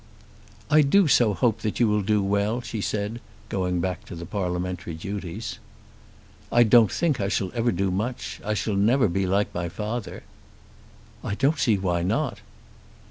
"I do so hope that you will do well," she said, going back to the parliamentary duties. "I don't think I shall ever do much. I shall never be like my father." "I don't see why not."